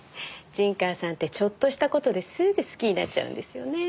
陣川さんってちょっとした事ですぐ好きになっちゃうんですよね。